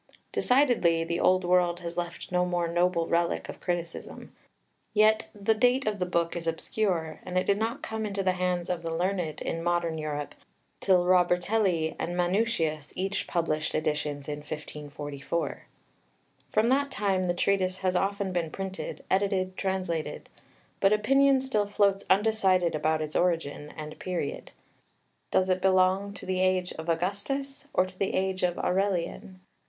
Decidedly the old world has left no more noble relic of criticism. Yet the date of the book is obscure, and it did not come into the hands of the learned in modern Europe till Robertelli and Manutius each published editions in 1544. From that time the Treatise has often been printed, edited, translated; but opinion still floats undecided about its origin and period. Does it belong to the age of Augustus, or to the age of Aurelian?